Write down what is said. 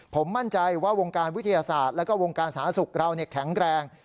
ผมมั่นใจว่าวงการวิทยาศาสตร์แล้วก็วงการสาธารณสุขเราแข็งแรง